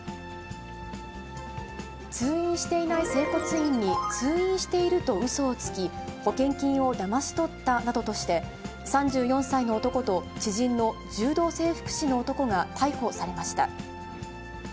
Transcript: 通院していない整骨院に通院しているとうそをつき、保険金をだまし取ったなどとして、３４歳の男と、知人の柔道整復師の男が逮捕されました。